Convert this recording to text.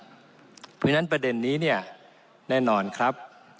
เพราะฉะนั้นประเด็นนี้เนี่ยแน่นอนครับ